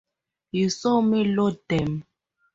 You saw me load them.